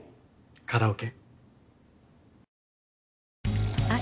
カラオケ。